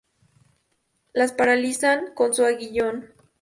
Las paralizan con su aguijón.